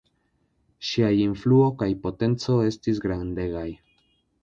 Ŝiaj influo kaj potenco estis grandegaj.